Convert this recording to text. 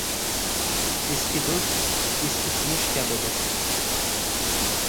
• Eski do‘st eski kumush kabidir.